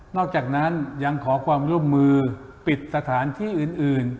อกจากนั้นยังขอความร่วมมือปิดสถานที่อื่น